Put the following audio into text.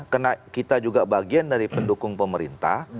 karena kita juga bagian dari pendukung pemerintah